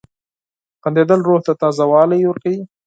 • خندېدل روح ته تازه والی ورکوي.